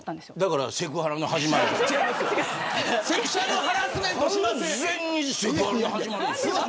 だからセクハラの始まりでしょ。